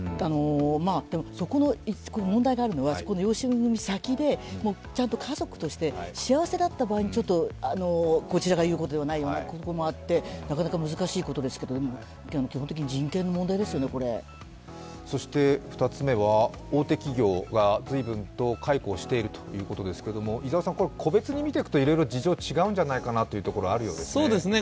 問題があるのは、その養子縁組先でちゃんと家族として幸せだった場合に、こちらが言うようなことでもないことがあってなかなか難しいことですけれども基本的に人権の問題ですよね、これ２つ目は大手企業が随分と解雇しているということですけれども、個別に見ていくといろいろ事情が違うんじゃないかなというところがあるようですね。